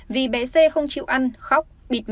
vì bé c không chịu ăn khóc